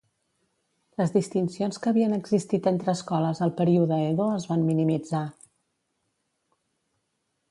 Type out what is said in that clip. Les distincions que havien existit entre escoles al període Edo es van minimitzar.